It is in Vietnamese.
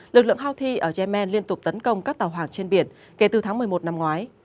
lực lượng houthi ở yemen liên tục tấn công các tàu hoạt trên biển kể từ tháng một mươi một năm ngoái